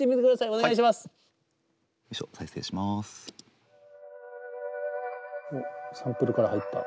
おっサンプルから入った。